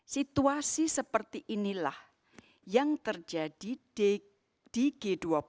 situasi seperti inilah yang terjadi di g dua puluh